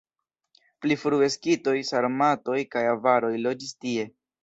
Pli frue skitoj, sarmatoj kaj avaroj loĝis tie.